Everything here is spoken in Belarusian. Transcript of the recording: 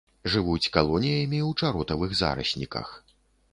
Жывуць калоніямі ў чаротавых зарасніках.